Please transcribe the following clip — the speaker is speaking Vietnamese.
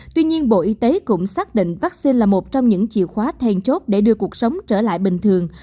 tuy nhiên bộ y tế cũng xác định vaccine là một trong những chìa khóa then chốt để đưa cuộc sống trở lại bình thường